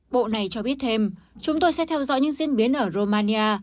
bộ này cho biết thêm chúng tôi sẽ theo dõi những diễn biến ở romania